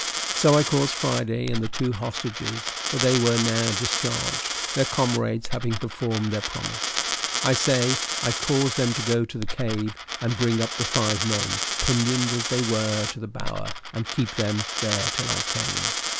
So I caused Friday and the two hostages for they were now discharged, their comrades having performed their promise I say, I caused them to go to the cave, and bring up the five men, pinioned as they were, to the bower, and keep them there till I came.